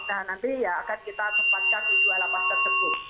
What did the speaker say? nah nanti ya akan kita tempatkan di dua lapas tersebut